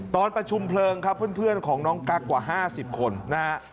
ตอนประชุมเพลิงครับเพื่อนของน้องกั๊กว่า๕๐คนนะฮะ